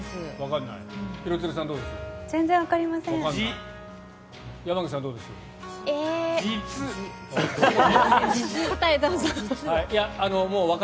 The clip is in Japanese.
廣津留さん、どうですか？